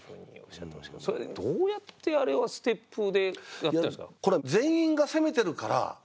それでどうやってあれはステップでやってたんですか。